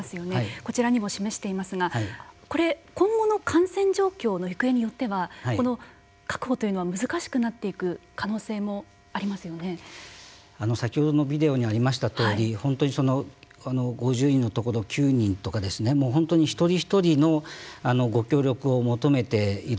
こちらにも示していますがこれ、今後の感染状況の行方によってはこの確保というのは難しくなっていく可能性も先ほどのビデオにありましたとおり５０人のところを９人とか本当に一人一人のご協力を求めている